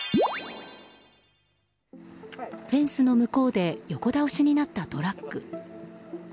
フェンスの向こうで横倒しになったトラック。